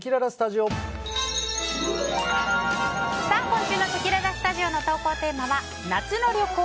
今週のせきららスタジオの投稿テーマは夏の旅行！